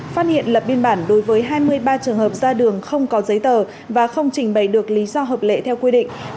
phát hiện lập biên bản đối với hai mươi ba trường hợp ra đường không có giấy tờ và không trình bày được lý do hợp lệ theo quy định